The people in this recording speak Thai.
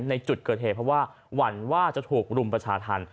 ในจุดเกิดเหตุเพราะว่าหวั่นว่าจะถูกรุมประชาธรรม